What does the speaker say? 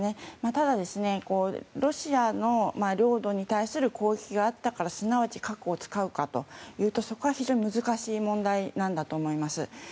ただ、ロシアの領土に対する攻撃があったからすなわち、核を使うかというとそこは非常に難しい問題だと思います。